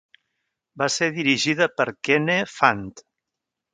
Va ser dirigida per Kenne Fant.